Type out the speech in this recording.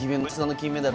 金メダル。